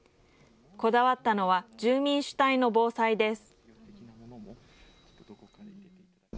こだわったのは住民主体の防災です。